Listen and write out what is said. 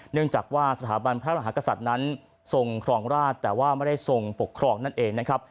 เนื่องจากว่าสถาบันพระมหากษัตริย์นั้นทรงครองราชแต่ว่าไม่ได้ทรงปกครองนั่นเองนะครับ